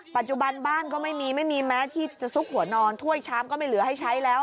ปัจจุบันบ้านก็ไม่มีไม่มีแม้ที่จะซุกหัวนอนถ้วยชามก็ไม่เหลือให้ใช้แล้ว